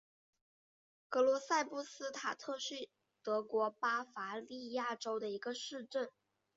格罗赛布斯塔特是德国巴伐利亚州的一个市镇。